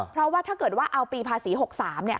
เพราะว่าถ้าเกิดว่าเอาปีภาษี๖๓เนี่ย